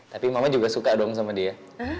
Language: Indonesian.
tapi mama juga suka dong sama dia